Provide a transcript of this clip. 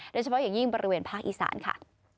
โดยเฉพาะอย่างยิ่งบริเวณภาคอีสานค่ะ